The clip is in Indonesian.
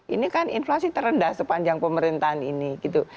ini kan inflasi terendah sepanjang pemerintahan ini gitu